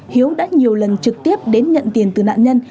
hiếu đã nhiều lần trực tiếp đến nhận tiền từ nạn nhân